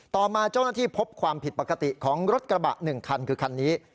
ต่อมาเจ้าหน้าที่พบความผิดปกติของรถกระบะ๑คันคือคันนี้